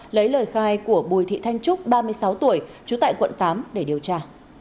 lấy lời khai của bùi thị thanh trúc ba mươi sáu tuổi trú tại quận tám để điều tra